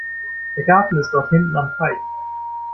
Der Garten ist dort hinten am Teich.